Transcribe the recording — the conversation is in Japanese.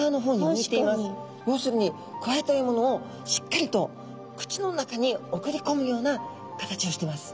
要するにくわえたえものをしっかりと口の中に送りこむような形をしてます。